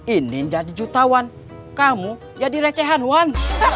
inin jadi jutawan kamu jadi recehanwan